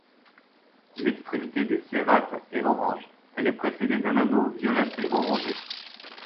L'extrémité des cérates est orange, elle est précédée d'un anneau violacé-orangé.